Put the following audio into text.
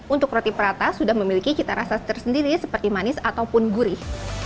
untuk roti prata sudah memiliki cita rasa tersendiri seperti manis ataupun gurih